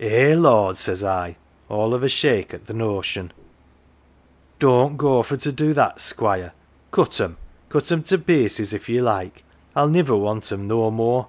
1 "' Eh, lord !' says I, all of a shake at th' notion, ' don't go for to do that, Squire ! Cut 'em cut 'em t' pieces, if ye like I'll niver want 'em no more